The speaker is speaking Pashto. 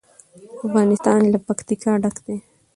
افغانستان له پکتیکا ډک دی.